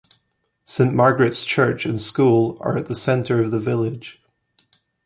Saint Margaret's church and school are at the centre of the village.